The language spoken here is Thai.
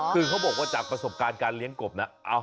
คือเขาบอกว่าจากประสบการณ์การเลี้ยงกบนะ